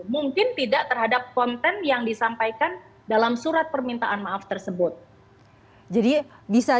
mungkin tidak terhadap konten yang disampaikan dalam surat permintaan maaf tersebut jadi bisa